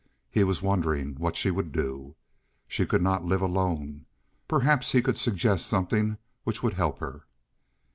He was wondering what she would do. She could not live alone. Perhaps he could suggest something which would help her.